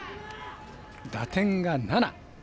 打点が７。